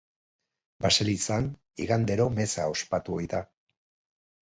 Baselizan igandero meza ospatu ohi da.